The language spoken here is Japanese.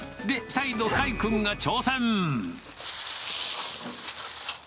で、再度、海君が挑戦。